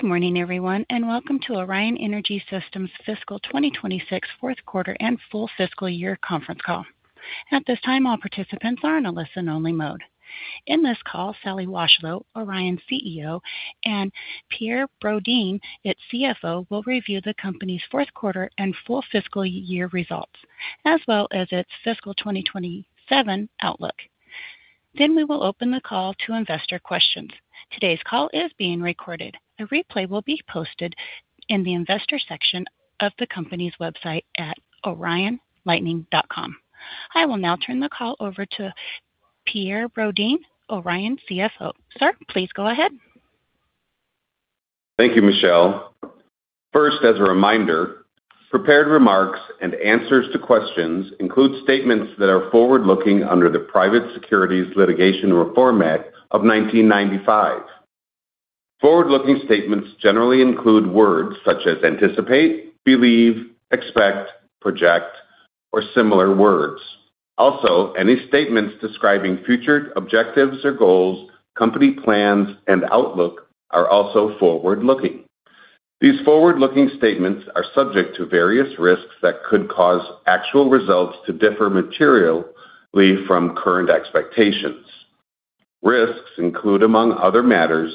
Good morning everyone, welcome to Orion Energy Systems fiscal 2026 fourth quarter and full fiscal year conference call. At this time, all participants are in a listen only mode. In this call, Sally Washlow, Orion's CEO, and Per Brodin, its CFO, will review the company's fourth quarter and full fiscal year results, as well as its fiscal 2027 outlook. We will open the call to investor questions. Today's call is being recorded. A replay will be posted in the investor section of the company's website at orionlighting.com. I will now turn the call over to Per Brodin, Orion CFO. Sir, please go ahead. Thank you, Michelle. First, as a reminder, prepared remarks and answers to questions include statements that are forward-looking under the Private Securities Litigation Reform Act of 1995. Forward-looking statements generally include words such as "anticipate," "believe," "expect," "project," or similar words. Also, any statements describing future objectives or goals, company plans and outlook are also forward looking. These forward-looking statements are subject to various risks that could cause actual results to differ materially from current expectations. Risks include, among other matters,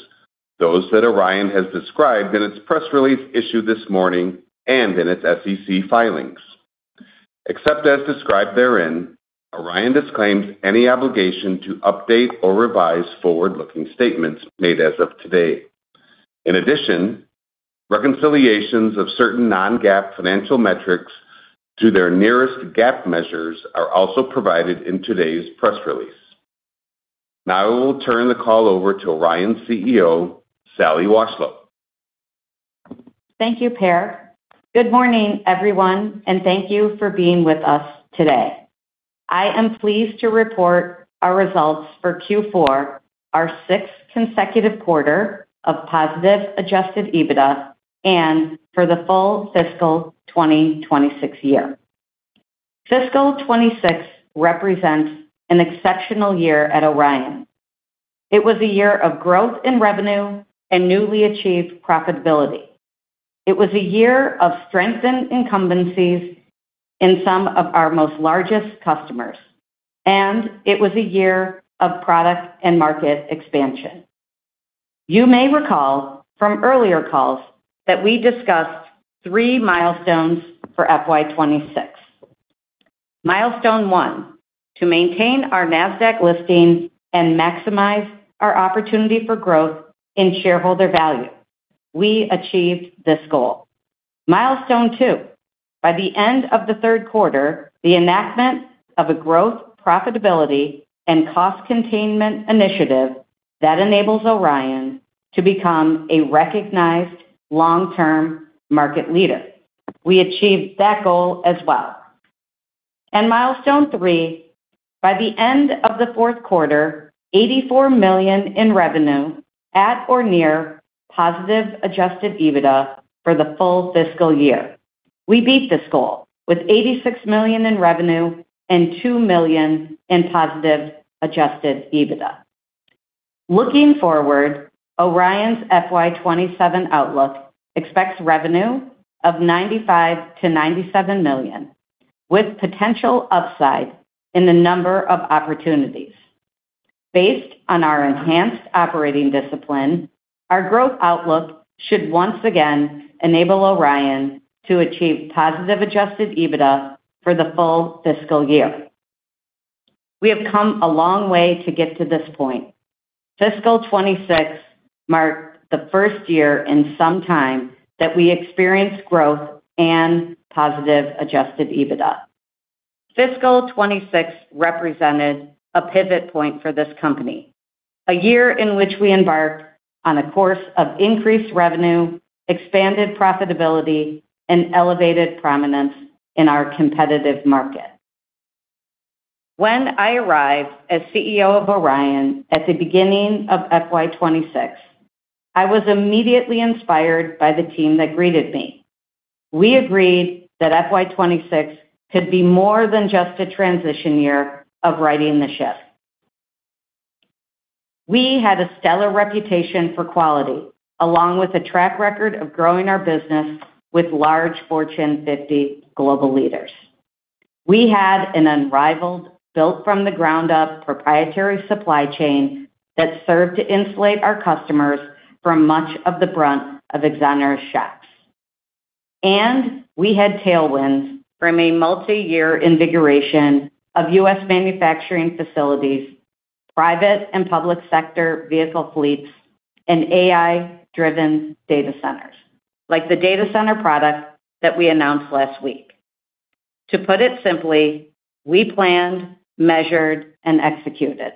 those that Orion has described in its press release issued this morning and in its SEC filings. Except as described therein, Orion disclaims any obligation to update or revise forward-looking statements made as of today. In addition, reconciliations of certain non-GAAP financial metrics to their nearest GAAP measures are also provided in today's press release. Now I will turn the call over to Orion's CEO, Sally Washlow. Thank you, Per. Good morning, everyone, and thank you for being with us today. I am pleased to report our results for Q4, our sixth consecutive quarter of positive adjusted EBITDA, and for the full fiscal 2026 year. Fiscal 2026 represents an exceptional year at Orion. It was a year of growth in revenue and newly achieved profitability. It was a year of strengthened incumbencies in some of our largest customers. It was a year of product and market expansion. You may recall from earlier calls that we discussed three milestones for FY 2026. Milestone one, to maintain our Nasdaq listing and maximize our opportunity for growth in shareholder value. We achieved this goal. Milestone two, by the end of the third quarter, the enactment of a growth, profitability, and cost containment initiative that enables Orion to become a recognized long-term market leader. We achieved that goal as well. Milestone three, by the end of the fourth quarter, $84 million in revenue at or near positive adjusted EBITDA for the full fiscal year. We beat this goal with $86 million in revenue and $2 million in positive adjusted EBITDA. Looking forward, Orion's FY 2027 outlook expects revenue of $95 million-$97 million, with potential upside in the number of opportunities. Based on our enhanced operating discipline, our growth outlook should once again enable Orion to achieve positive adjusted EBITDA for the full fiscal year. We have come a long way to get to this point. Fiscal 2026 marked the first year in some time that we experienced growth and positive adjusted EBITDA. Fiscal 2026 represented a pivot point for this company, a year in which we embarked on a course of increased revenue, expanded profitability, and elevated prominence in our competitive market. When I arrived as CEO of Orion at the beginning of FY 2026, I was immediately inspired by the team that greeted me. We agreed that FY 2026 could be more than just a transition year of righting the ship. We had a stellar reputation for quality, along with a track record of growing our business with large Fortune 50 global leaders. We had an unrivaled, built from the ground up proprietary supply chain that served to insulate our customers from much of the brunt of exogenous shocks. We had tailwinds from a multi-year invigoration of U.S. manufacturing facilities, private and public sector vehicle fleets, and AI-driven data centers, like the data center product that we announced last week. To put it simply, we planned, measured, and executed,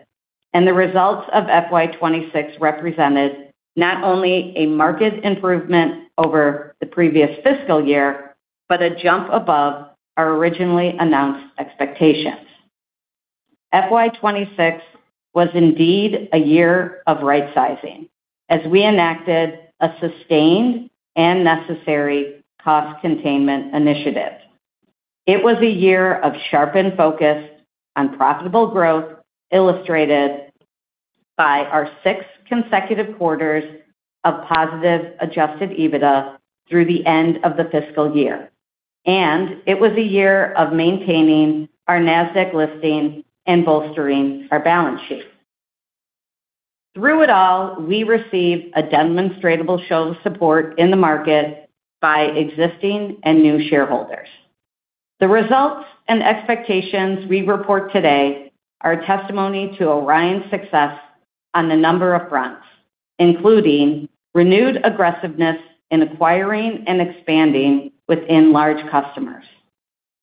and the results of FY 2026 represented not only a market improvement over the previous fiscal year, but a jump above our originally announced expectations. FY 2026 was indeed a year of right-sizing as we enacted a sustained and necessary cost containment initiative. It was a year of sharpened focus on profitable growth, illustrated by our six consecutive quarters of positive adjusted EBITDA through the end of the fiscal year. It was a year of maintaining our Nasdaq listing and bolstering our balance sheet. Through it all, we received a demonstrable show of support in the market by existing and new shareholders. The results and expectations we report today are a testimony to Orion's success on a number of fronts, including renewed aggressiveness in acquiring and expanding within large customers,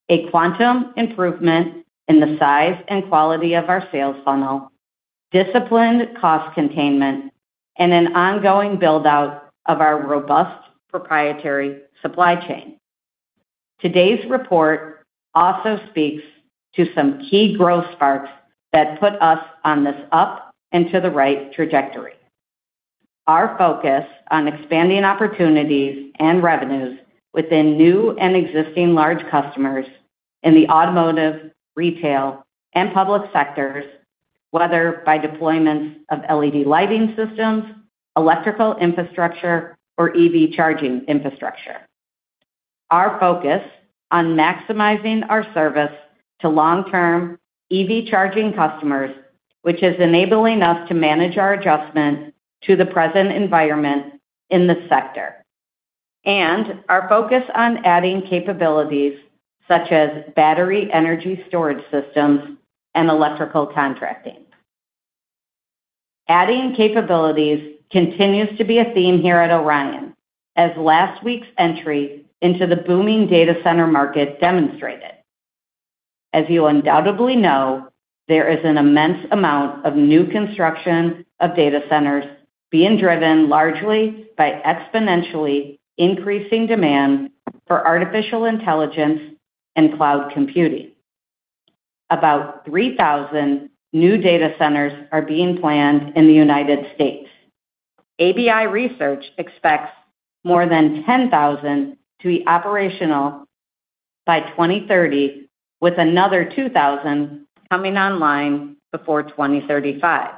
a quantum improvement in the size and quality of our sales funnel, disciplined cost containment, and an ongoing build-out of our robust proprietary supply chain. Today's report also speaks to some key growth sparks that put us on this up and to the right trajectory. Our focus on expanding opportunities and revenues within new and existing large customers in the automotive, retail, and public sectors, whether by deployments of LED lighting systems, electrical infrastructure, or EV charging infrastructure. Our focus on maximizing our service to long-term EV charging customers, which is enabling us to manage our adjustment to the present environment in this sector. Our focus on adding capabilities such as battery energy storage systems and electrical contracting. Adding capabilities continues to be a theme here at Orion, as last week's entry into the booming data center market demonstrated. As you undoubtedly know, there is an immense amount of new construction of data centers being driven largely by exponentially increasing demand for artificial intelligence and cloud computing. About 3,000 new data centers are being planned in the United States. ABI Research expects more than 10,000 to be operational by 2030, with another 2,000 coming online before 2035.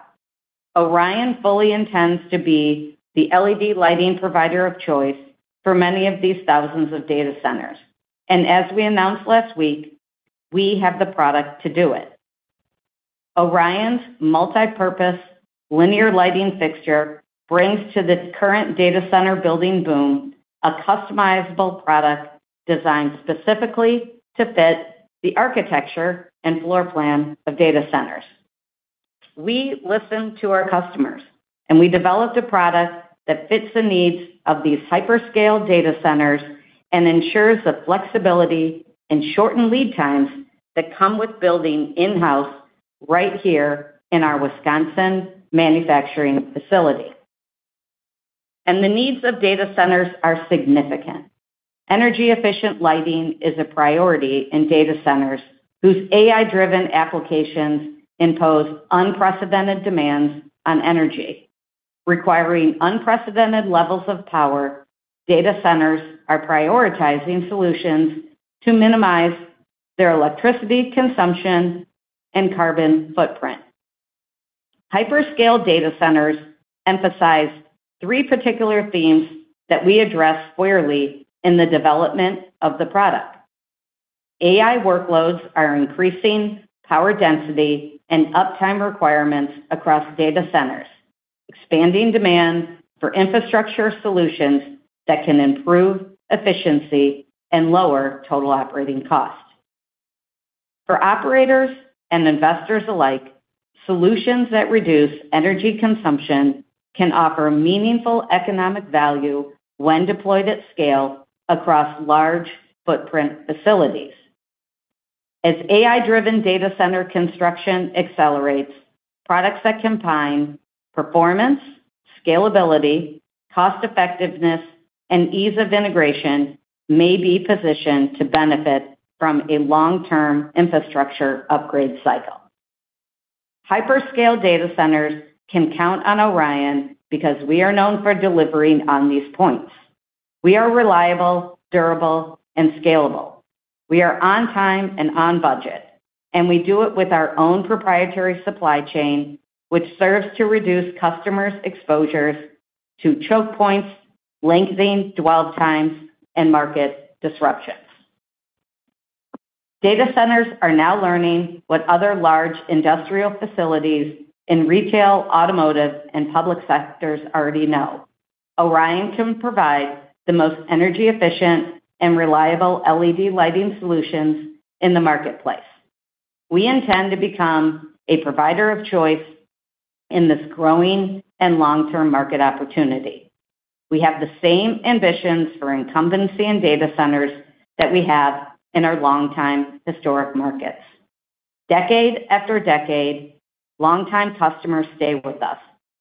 Orion fully intends to be the LED lighting provider of choice for many of these thousands of data centers. As we announced last week, we have the product to do it. Orion's multipurpose linear lighting fixture brings to the current data center building boom a customizable product designed specifically to fit the architecture and floor plan of data centers. We listened to our customers, and we developed a product that fits the needs of these hyperscale data centers and ensures the flexibility and shortened lead times that come with building in-house right here in our Wisconsin manufacturing facility. The needs of data centers are significant. Energy-efficient lighting is a priority in data centers whose AI-driven applications impose unprecedented demands on energy. Requiring unprecedented levels of power, data centers are prioritizing solutions to minimize their electricity consumption and carbon footprint. Hyperscale data centers emphasize three particular themes that we addressed clearly in the development of the product. AI workloads are increasing power density and uptime requirements across data centers, expanding demand for infrastructure solutions that can improve efficiency and lower total operating costs. For operators and investors alike, solutions that reduce energy consumption can offer meaningful economic value when deployed at scale across large footprint facilities. As AI-driven data center construction accelerates, products that combine performance, scalability, cost-effectiveness, and ease of integration may be positioned to benefit from a long-term infrastructure upgrade cycle. Hyperscale data centers can count on Orion because we are known for delivering on these points. We are reliable, durable, and scalable. We are on time and on budget, and we do it with our own proprietary supply chain, which serves to reduce customers' exposures to choke points, lengthening dwell times, and market disruptions. Data centers are now learning what other large industrial facilities in retail, automotive, and public sectors already know. Orion can provide the most energy-efficient and reliable LED lighting solutions in the marketplace. We intend to become a provider of choice in this growing and long-term market opportunity. We have the same ambitions for incumbency in data centers that we have in our longtime historic markets. Decade after decade, longtime customers stay with us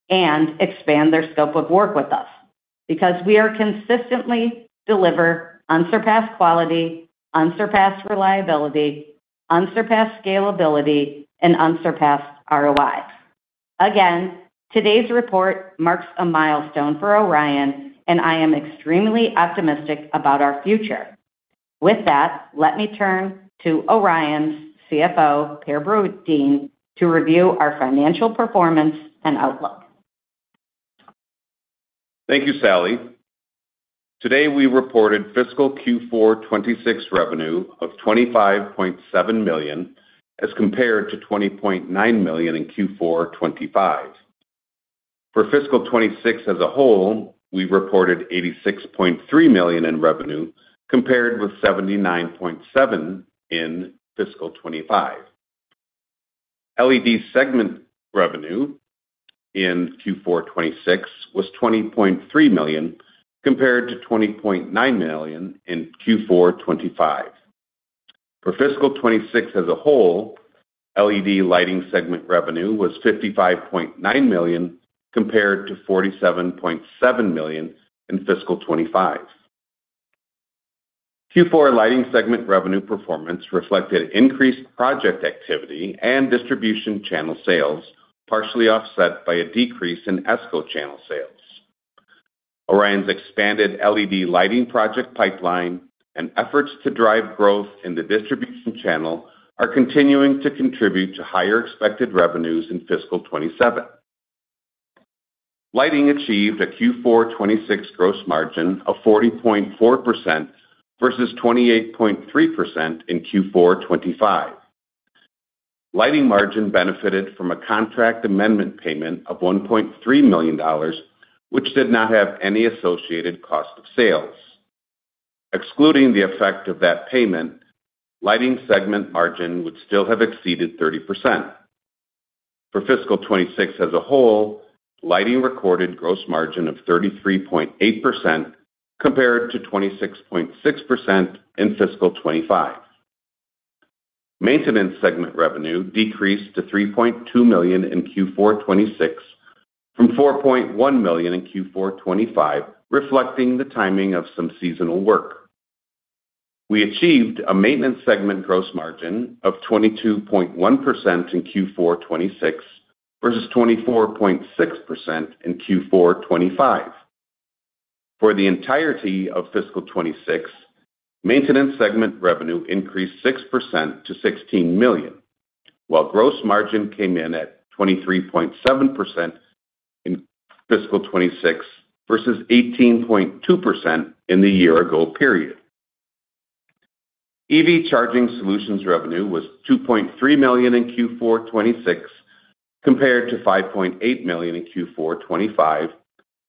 and expand their scope of work with us because we are consistently deliver unsurpassed quality, unsurpassed reliability, unsurpassed scalability, and unsurpassed ROI. Again, today's report marks a milestone for Orion, and I am extremely optimistic about our future. With that, let me turn to Orion's CFO, Per Brodin, to review our financial performance and outlook. Thank you, Sally. Today, we reported fiscal Q4 2026 revenue of $25.7 million as compared to $20.9 million in Q4 2025. For fiscal 2026 as a whole, we reported $86.3 million in revenue compared with $79.7 million in fiscal 2025. LED segment revenue in Q4 2026 was $20.3 million compared to $20.9 million in Q4 2025. For fiscal 2026 as a whole, LED lighting segment revenue was $55.9 million, compared to $47.7 million in fiscal 2025. Q4 lighting segment revenue performance reflected increased project activity and distribution channel sales, partially offset by a decrease in ESCO channel sales. Orion's expanded LED lighting project pipeline and efforts to drive growth in the distribution channel are continuing to contribute to higher expected revenues in fiscal 2027. Lighting achieved a Q4 2026 gross margin of 40.4% versus 28.3% in Q4 2025. Lighting margin benefited from a contract amendment payment of $1.3 million, which did not have any associated cost of sales. Excluding the effect of that payment, lighting segment margin would still have exceeded 30%. For fiscal 2026 as a whole, lighting recorded gross margin of 33.8% compared to 26.6% in fiscal 2025. Maintenance segment revenue decreased to $3.2 million in Q4 2026 from $4.1 million in Q4 2025, reflecting the timing of some seasonal work. We achieved a maintenance segment gross margin of 22.1% in Q4 2026 versus 24.6% in Q4 2025. For the entirety of fiscal 2026, maintenance segment revenue increased 6% to $16 million, while gross margin came in at 23.7% in fiscal 2026 versus 18.2% in the year-ago period. EV charging solutions revenue was $2.3 million in Q4 2026 compared to $5.8 million in Q4 2025,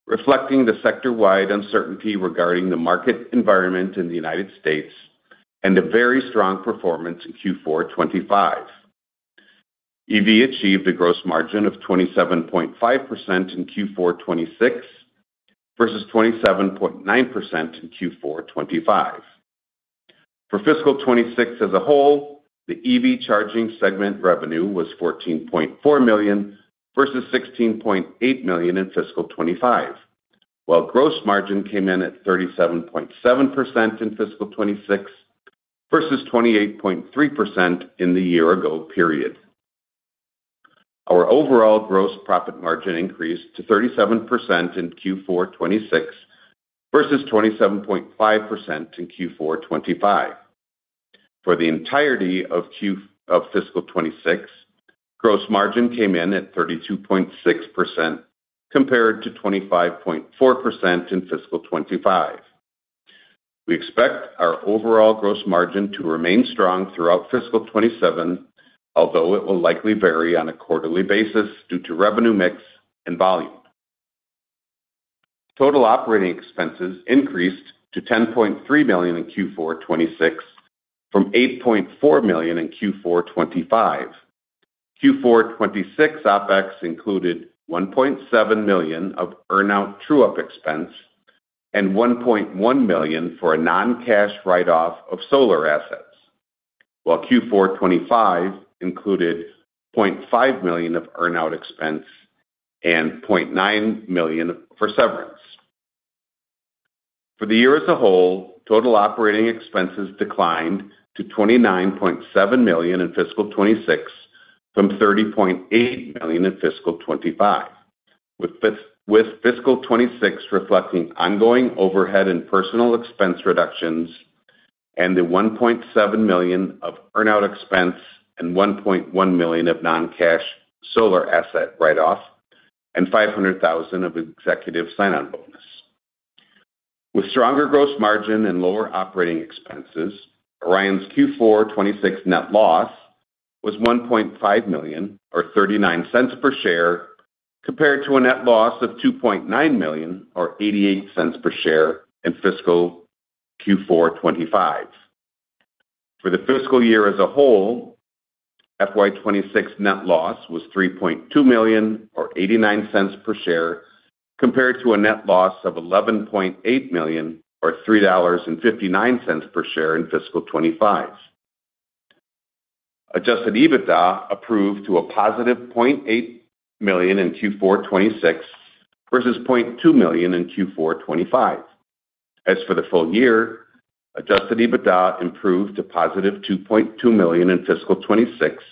reflecting the sector-wide uncertainty regarding the market environment in the United States and a very strong performance in Q4 2025. EV achieved a gross margin of 27.5% in Q4 2026 versus 27.9% in Q4 2025. For fiscal 2026 as a whole, the EV charging segment revenue was $14.4 million versus $16.8 million in fiscal 2025. While gross margin came in at 37.7% in fiscal 2026 versus 28.3% in the year-ago period. Our overall gross profit margin increased to 37% in Q4 2026 versus 27.5% in Q4 2025. For the entirety of fiscal 2026, gross margin came in at 32.6% compared to 25.4% in fiscal 2025. We expect our overall gross margin to remain strong throughout fiscal 2027, although it will likely vary on a quarterly basis due to revenue mix and volume. Total operating expenses increased to $10.3 million in Q4 2026 from $8.4 million in Q4 2025. Q4 2026 OpEx included $1.7 million of earn-out true-up expense and $1.1 million for a non-cash write-off of solar assets, while Q4 2025 included $0.5 million of earn-out expense and $0.9 million for severance. For the year as a whole, total operating expenses declined to $29.7 million in fiscal 2026 from $30.8 million in fiscal 2025, with fiscal 2026 reflecting ongoing overhead and personal expense reductions, and the $1.7 million of earn-out expense and $1.1 million of non-cash solar asset write-off and $500,000 of executive sign-on bonus. With stronger gross margin and lower operating expenses, Orion's Q4 2026 net loss was $1.5 million, or $0.39 per share, compared to a net loss of $2.9 million, or $0.88 per share in fiscal Q4 2025. For the fiscal year as a whole, FY 2026 net loss was $3.2 million or $0.89 per share, compared to a net loss of $11.8 million or $3.59 per share in fiscal 2025. adjusted EBITDA improved to a $+0.8 million in Q4 2026 versus $0.2 million in Q4 2025. As for the full year, adjusted EBITDA improved to $+2.2 million in fiscal 2026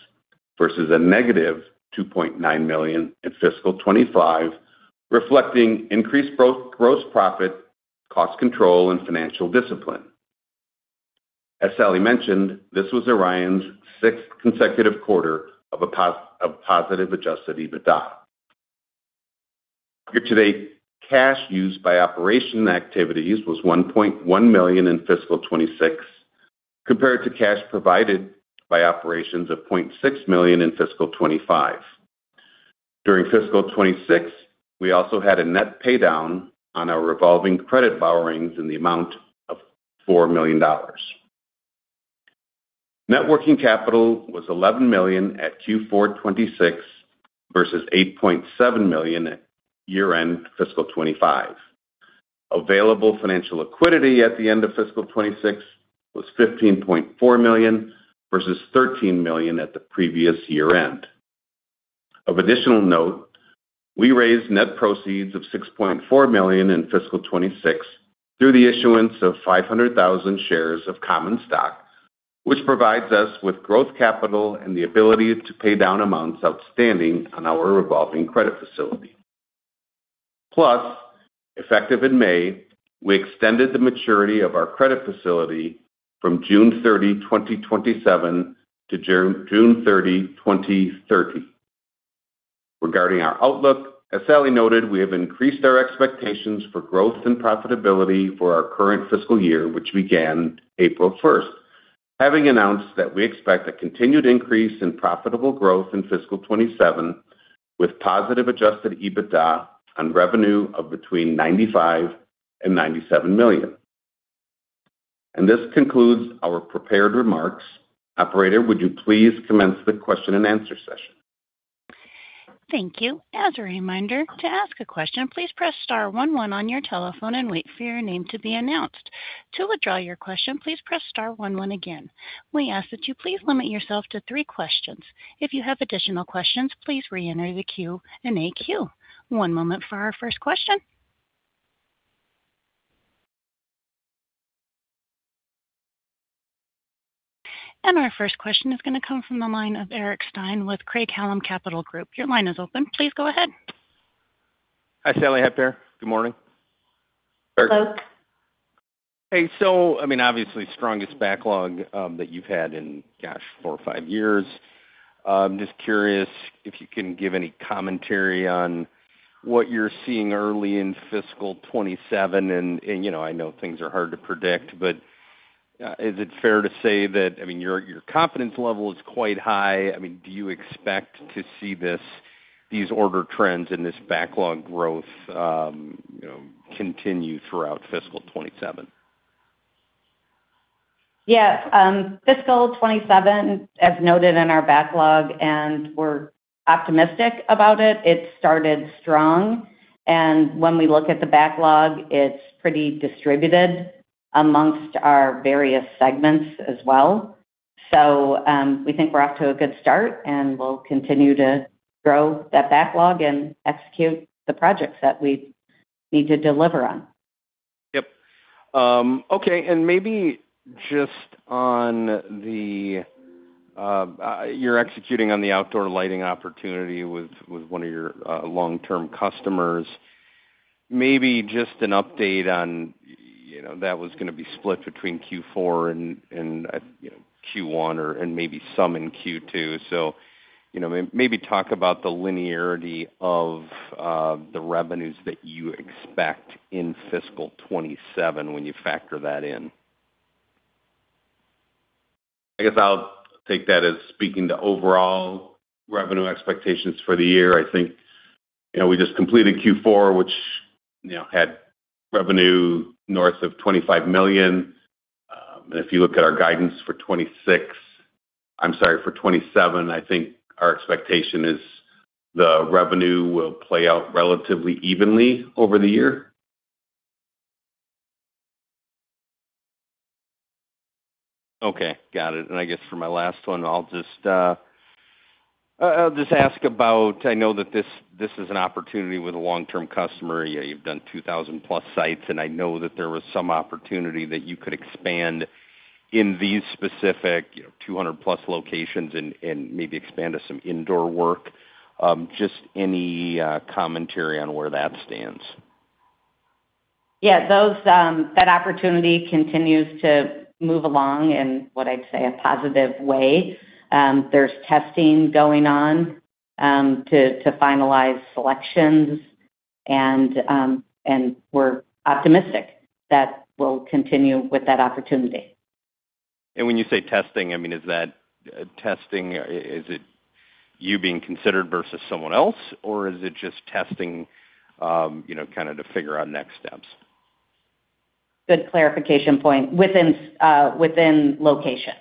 versus a $-2.9 million in fiscal 2025, reflecting increased gross profit, cost control, and financial discipline. As Sally mentioned, this was Orion's sixth consecutive quarter of a positive adjusted EBITDA. Year-to-date cash used by operation activities was $1.1 million in fiscal 2026, compared to cash provided by operations of $0.6 million in fiscal 2025. During fiscal 2026, we also had a net paydown on our revolving credit borrowings in the amount of $4 million. Net working capital was $11 million at Q4 2026 versus $8.7 million at year-end fiscal 2025. Available financial liquidity at the end of fiscal 2026 was $15.4 million versus $13 million at the previous year-end. Of additional note, we raised net proceeds of $6.4 million in fiscal 2026 through the issuance of 500,000 shares of common stock, which provides us with growth capital and the ability to pay down amounts outstanding on our revolving credit facility. Plus, effective in May, we extended the maturity of our credit facility from June 30, 2027 to June 30, 2030. Regarding our outlook, as Sally noted, we have increased our expectations for growth and profitability for our current fiscal year, which began April 1st, having announced that we expect a continued increase in profitable growth in fiscal 2027 with positive adjusted EBITDA on revenue of between $95 million and $97 million. This concludes our prepared remarks. Operator, would you please commence the question and answer session? Thank you. As a reminder, to ask a question, please press star one one on your telephone and wait for your name to be announced. To withdraw your question, please press star one one again. We ask that you please limit yourself to three questions. If you have additional questions, please reenter the queue and queue. One moment for our first question. Our first question is going to come from the line of Eric Stine with Craig-Hallum Capital Group. Your line is open. Please go ahead. Hi, Sally, hi, Per. Good morning. Hello. Hey. Obviously, strongest backlog that you've had in, gosh, four or five years. Just curious if you can give any commentary on what you're seeing early in fiscal 2027, and I know things are hard to predict, but is it fair to say that your confidence level is quite high? Do you expect to see these order trends and this backlog growth continue throughout fiscal 2027? Yeah. Fiscal 2027, as noted in our backlog, and we're optimistic about it. It started strong. When we look at the backlog, it's pretty distributed amongst our various segments as well. We think we're off to a good start, and we'll continue to grow that backlog and execute the projects that we need to deliver on. Yep. Okay. Maybe just on the-- You're executing on the outdoor lighting opportunity with one of your long-term customers. Maybe just an update on that was going to be split between Q4 and Q1 or maybe some in Q2. Maybe talk about the linearity of the revenues that you expect in fiscal 2027 when you factor that in. I guess I'll take that as speaking to overall revenue expectations for the year. I think we just completed Q4, which had revenue north of $25 million. If you look at our guidance for 2026, I'm sorry, for 2027, I think our expectation is the revenue will play out relatively evenly over the year. Okay. Got it. I guess for my last one, I'll just ask about, I know that this is an opportunity with a long-term customer. You've done 2,000+ sites, and I know that there was some opportunity that you could expand in these specific 200+ locations and maybe expand to some indoor work. Just any commentary on where that stands? Yeah. That opportunity continues to move along in what I'd say a positive way. There's testing going on to finalize selections. We're optimistic that we'll continue with that opportunity. When you say testing, is that testing, is it you being considered versus someone else, or is it just testing to figure out next steps? Good clarification point. Within locations-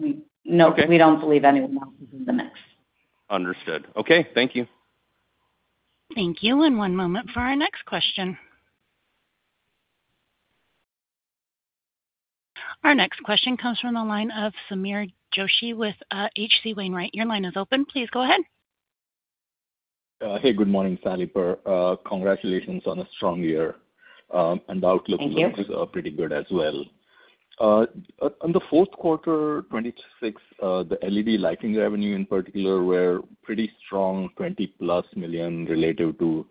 Okay. ..we don't believe anyone else is in the mix. Understood. Okay. Thank you. Thank you. One moment for our next question. Our next question comes from the line of Sameer Joshi with H.C. Wainwright. Your line is open. Please go ahead. Hey, good morning, Sally. Per. Congratulations on a strong year. Thank you. The outlook looks pretty good as well. On the Q4 2026, the LED lighting revenue in particular were pretty strong, $20+ million relative to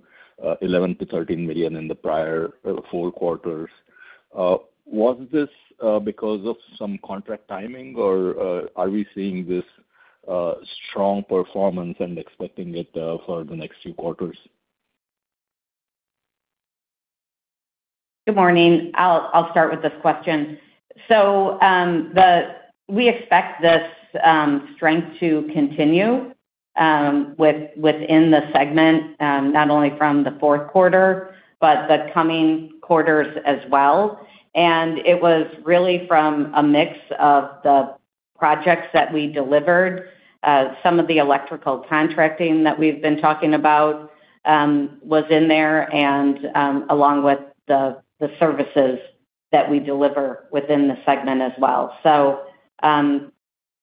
$11 million-$13 million in the prior four quarters. Was this because of some contract timing, or are we seeing this strong performance and expecting it for the next few quarters? Good morning. I'll start with this question. We expect this strength to continue within the segment, not only from the fourth quarter, but the coming quarters as well. It was really from a mix of the projects that we delivered. Some of the electrical contracting that we've been talking about was in there and, along with the services that we deliver within the segment as well.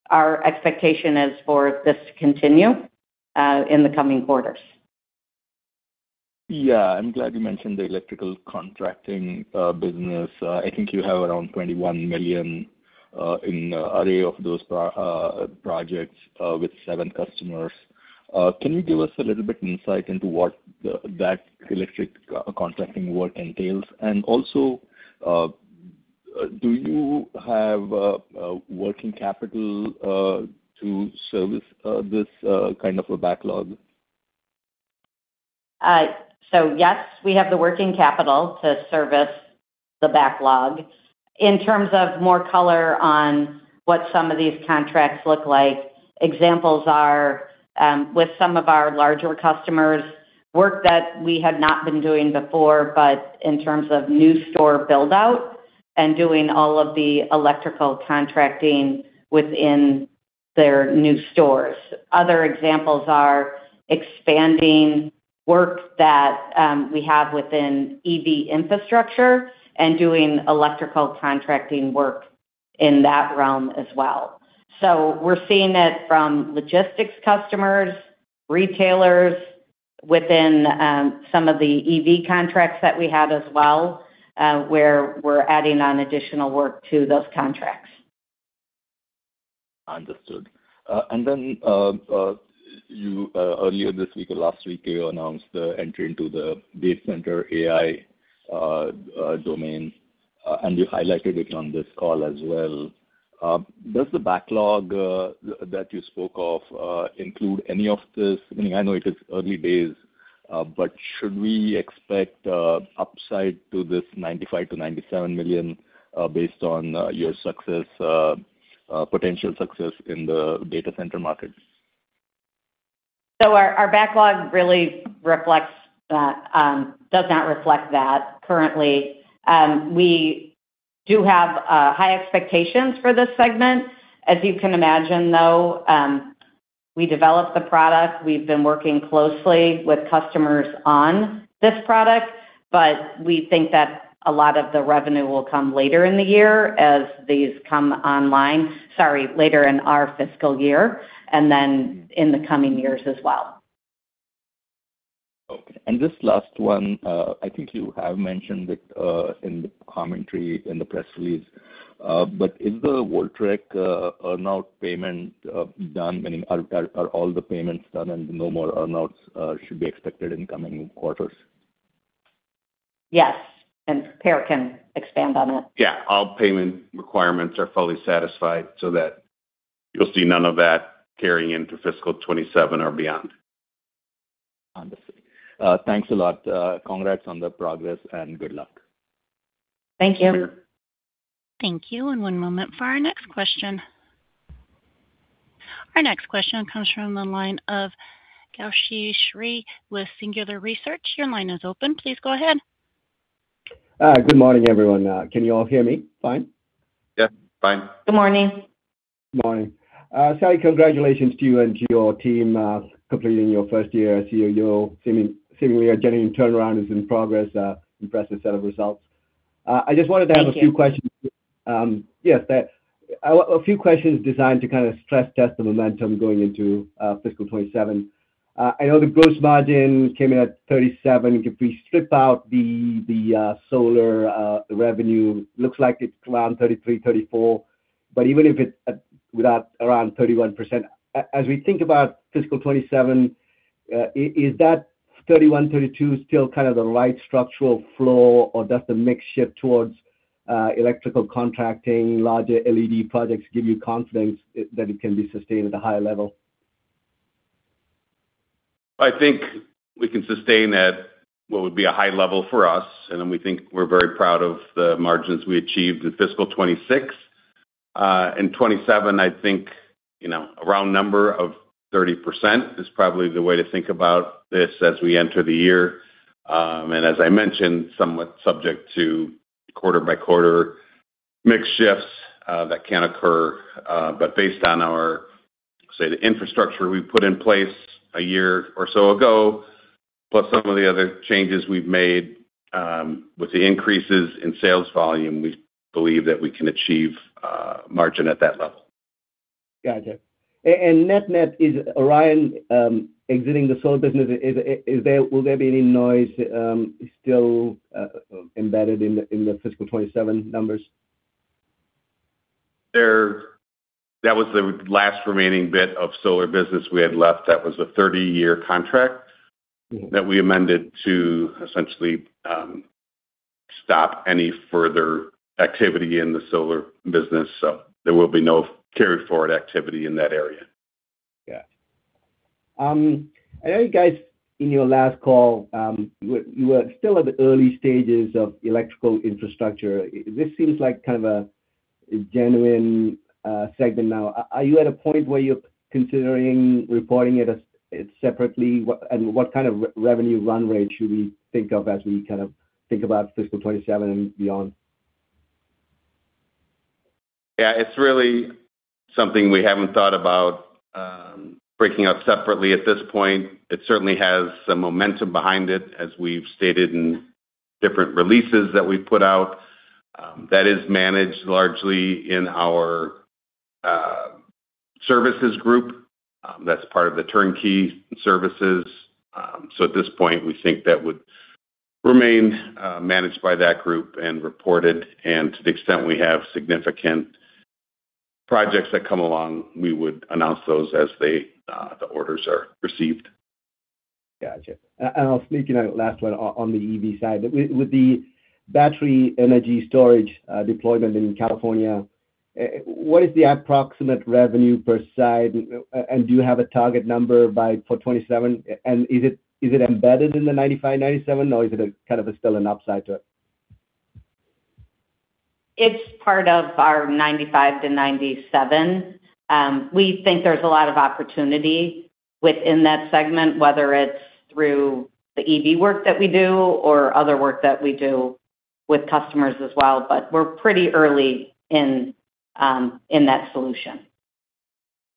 Our expectation is for this to continue in the coming quarters. Yeah, I'm glad you mentioned the electrical contracting business. I think you have around $21 million in array of those projects with seven customers. Can you give us a little bit insight into what that electrical contracting work entails? Also, do you have working capital to service this kind of a backlog? Yes, we have the working capital to service the backlog. In terms of more color on what some of these contracts look like, examples are, with some of our larger customers, work that we had not been doing before, but in terms of new store build-out and doing all of the electrical contracting within their new stores. Other examples are expanding work that we have within EV infrastructure and doing electrical contracting work in that realm as well. We're seeing it from logistics customers, retailers within some of the EV contracts that we have as well, where we're adding on additional work to those contracts. Understood. Earlier this week or last week, you announced the entry into the data center AI domain, and you highlighted it on this call as well. Does the backlog that you spoke of include any of this? I know it is early days, but should we expect upside to this $95 million-$97 million based on your potential success in the data center markets? Our backlog really does not reflect that currently. We do have high expectations for this segment. As you can imagine, though, we developed the product. We've been working closely with customers on this product, but we think that a lot of the revenue will come later in the year as these come online. Sorry, later in our fiscal year, and then in the coming years as well. Okay. This last one, I think you have mentioned it in the commentary in the press release. Is the Voltrek earn-out payment done? Meaning, are all the payments done and no more earn-outs should be expected in coming quarters? Yes. Per can expand on that. Yeah. All payment requirements are fully satisfied so that you'll see none of that carry into fiscal 2027 or beyond. Understood. Thanks a lot. Congrats on the progress and good luck. Thank you. Sure. Thank you, one moment for our next question. Our next question comes from the line of Gowshi Sri with Singular Research. Your line is open. Please go ahead. Good morning, everyone. Can you all hear me fine? Yeah. Fine. Good morning. Good morning. Sally, congratulations to you and to your team completing your first year as CEO. Seemingly, a genuine turnaround is in progress. Impressive set of results. Thank you. I just wanted to have a few questions. A few questions designed to kind of stress test the momentum going into fiscal 2027. I know the gross margin came in at 37%. If we strip out the solar revenue, looks like it's around 33%-34%. Even if it's without around 31%, as we think about fiscal 2027, is that 31%-32% still kind of the right structural flow or does the mix shift towards electrical contracting, larger LED projects give you confidence that it can be sustained at a higher level? I think we can sustain at what would be a high level for us, then we think we're very proud of the margins we achieved in fiscal 2026. In 2027, I think, a round number of 30% is probably the way to think about this as we enter the year. As I mentioned, somewhat subject to quarter-by-quarter mix shifts that can occur. Based on the infrastructure we put in place a year or so ago, plus some of the other changes we've made with the increases in sales volume, we believe that we can achieve margin at that level. Got you. Net net, is Orion exiting the solar business? Will there be any noise still embedded in the fiscal 2027 numbers? That was the last remaining bit of solar business we had left. That was a 30-year contract that we amended to essentially stop any further activity in the solar business. There will be no carry-forward activity in that area. Yeah. I know you guys, in your last call, you were still at the early stages of electrical infrastructure. This seems like kind of a genuine segment now. Are you at a point where you're considering reporting it separately? What kind of revenue run rate should we think of as we think about fiscal 2027 and beyond? Yeah, it's really something we haven't thought about breaking out separately at this point. It certainly has some momentum behind it, as we've stated in different releases that we've put out. That is managed largely in our services group. That's part of the turnkey services. At this point, we think that would remain managed by that group and reported. To the extent we have significant projects that come along, we would announce those as the orders are received. Got you. I'll sneak in a last one on the EV side. With the battery energy storage deployment in California, what is the approximate revenue per side? Do you have a target number for 2027? Is it embedded in the $95, $97, or is it kind of still an upside to it? It's part of our $95-$97. We think there's a lot of opportunity within that segment, whether it's through the EV work that we do or other work that we do with customers as well, but we're pretty early in that solution.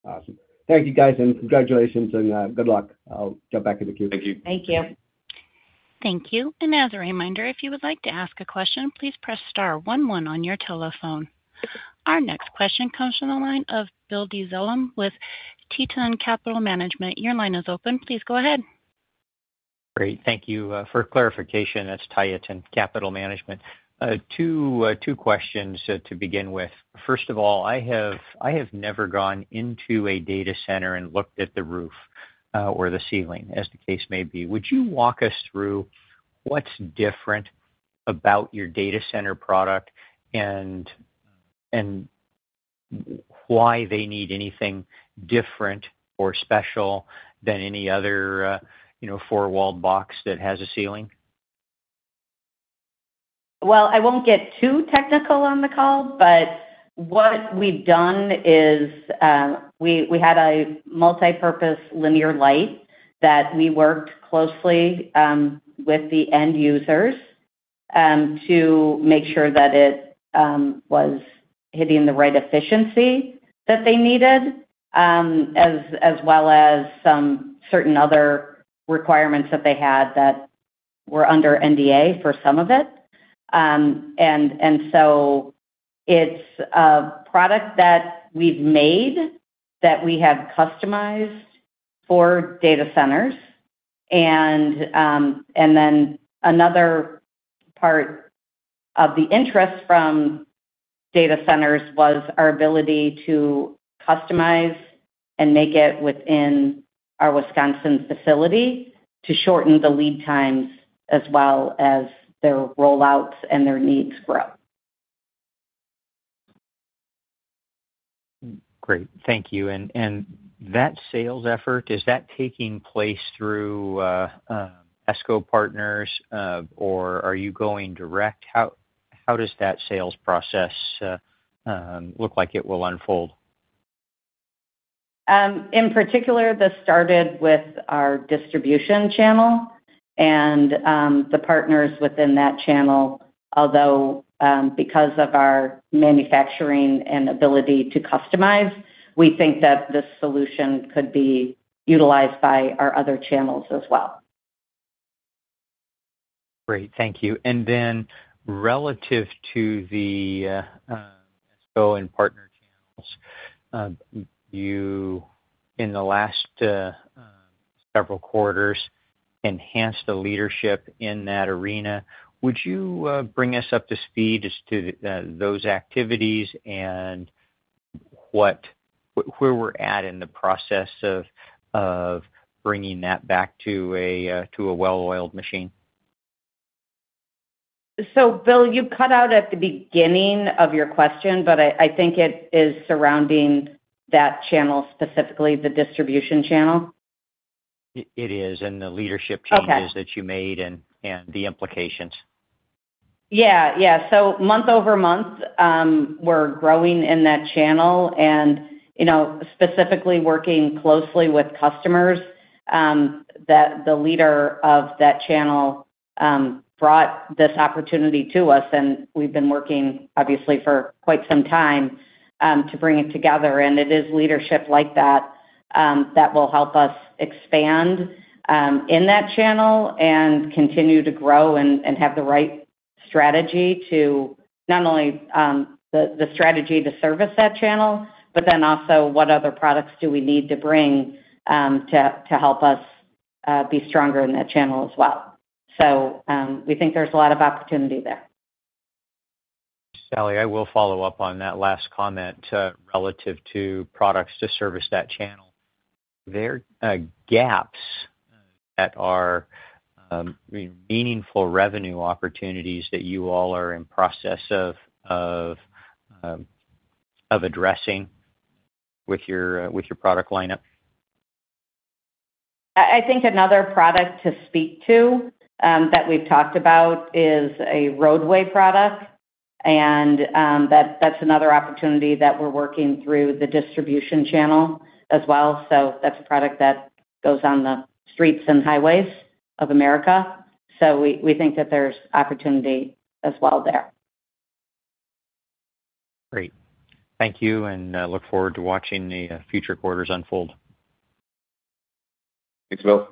Awesome. Thank you, guys, and congratulations and good luck. I'll jump back in the queue. Thank you. Thank you. Thank you. As a reminder, if you would like to ask a question, please press star one one on your telephone. Our next question comes from the line of Bill Dezellem with Tieton Capital Management. Your line is open. Please go ahead. Great. Thank you. For clarification, that's Tieton Capital Management. Two questions to begin with. First of all, I have never gone into a data center and looked at the roof, or the ceiling, as the case may be. Would you walk us through what's different about your data center product and why they need anything different or special than any other four-walled box that has a ceiling? I won't get too technical on the call, but what we've done is, we had a multipurpose linear light that we worked closely with the end users to make sure that it was hitting the right efficiency that they needed, as well as some certain other requirements that they had that were under NDA for some of it. It's a product that we've made, that we have customized for data centers. Another part of the interest from data centers was our ability to customize and make it within our Wisconsin facility to shorten the lead times, as well as their roll-outs and their needs grow. Great. Thank you. That sales effort, is that taking place through ESCO partners, or are you going direct? How does that sales process look like it will unfold? In particular, this started with our distribution channel and the partners within that channel. Because of our manufacturing and ability to customize, we think that this solution could be utilized by our other channels as well. Great. Thank you. Relative to the ESCO and partner channels, you, in the last several quarters, enhanced the leadership in that arena. Would you bring us up to speed as to those activities and where we're at in the process of bringing that back to a well-oiled machine? Bill, you cut out at the beginning of your question, but I think it is surrounding that channel specifically, the distribution channel? It is, and the leadership changes- Okay. ...that you made and the implications. Month-over-month, we're growing in that channel and specifically working closely with customers. The leader of that channel brought this opportunity to us, and we've been working, obviously, for quite some time to bring it together. It is leadership like that that will help us expand in that channel and continue to grow and have the right strategy to not only the strategy to service that channel, also what other products do we need to bring to help us be stronger in that channel as well. We think there's a lot of opportunity there. Sally, I will follow up on that last comment relative to products to service that channel. There are gaps that are meaningful revenue opportunities that you all are in process of addressing with your product lineup. I think another product to speak to that we've talked about is a roadway product. That's another opportunity that we're working through the distribution channel as well. That's a product that goes on the streets and highways of America. We think that there's opportunity as well there. Great. Thank you. Look forward to watching the future quarters unfold. Thanks, Bill.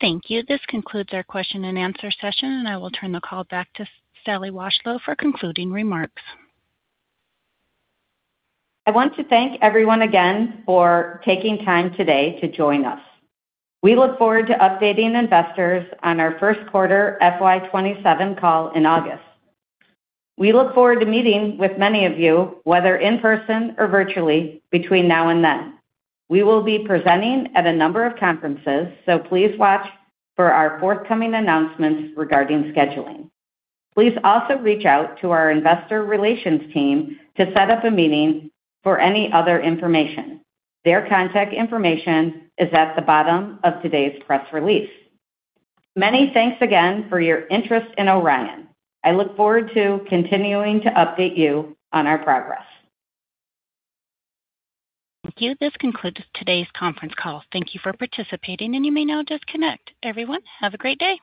Thank you. This concludes our question and answer session. I will turn the call back to Sally Washlow for concluding remarks. I want to thank everyone again for taking time today to join us. We look forward to updating investors on our first quarter FY 2027 call in August. We look forward to meeting with many of you, whether in person or virtually, between now and then. We will be presenting at a number of conferences, so please watch for our forthcoming announcements regarding scheduling. Please also reach out to our investor relations team to set up a meeting for any other information. Their contact information is at the bottom of today's press release. Many thanks again for your interest in Orion. I look forward to continuing to update you on our progress. Thank you. This concludes today's conference call. Thank you for participating, and you may now disconnect. Everyone, have a great day.